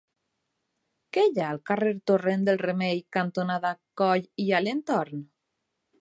Què hi ha al carrer Torrent del Remei cantonada Coll i Alentorn?